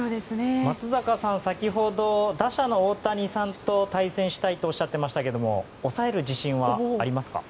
松坂さん、先ほど打者の大谷さんと対戦したいとおっしゃっていましたけど抑える自信はありますか？